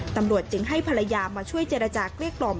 ตำรวจจึงให้ภรรยามาช่วยเจรจาเกลี้ยกล่อม